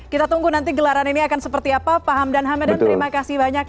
kita tunggu nanti gelaran ini akan seperti apa pak hamdan hamdan terima kasih banyak